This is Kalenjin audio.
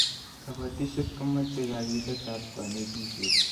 kabatishiet komache kagilet ak kanetishiet